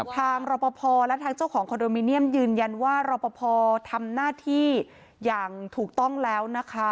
รอปภและทางเจ้าของคอนโดมิเนียมยืนยันว่ารอปภทำหน้าที่อย่างถูกต้องแล้วนะคะ